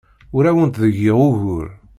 Ur awent-d-giɣ ugur.